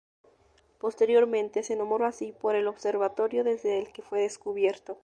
Posteriormente se nombró así por el observatorio desde el que fue descubierto.